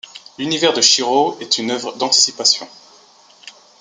L'univers de Shirow est une œuvre d'anticipation.